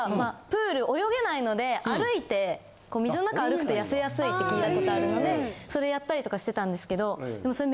プール泳げないので歩いて水の中歩くと痩せやすいって聞いたことあるのでそれやったりとかしてたんですけどそれ